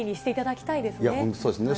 本当そうですね。